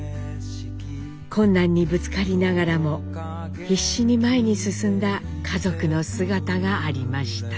困難にぶつかりながらも必死に前に進んだ家族の姿がありました。